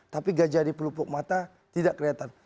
tapi gajah di pelupuk mata tidak kelihatan